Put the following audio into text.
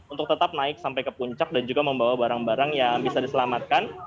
untuk tetap naik sampai ke puncak dan juga membawa barang barang yang bisa diselamatkan